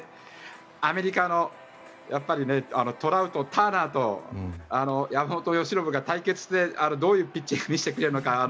アメリカのトラウト、ターナーと山本由伸が対決してどういうピッチングを見せてくれるのか。